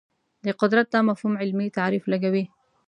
د قدرت دا مفهوم علمي تعریف لګوي